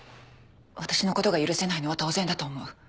私のことが許せないのは当然だと思う。